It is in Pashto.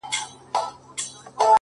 • خوني ژرنده مو د ژوند ګرځي ملګرو,